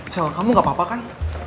sel kamu gak apa apa kan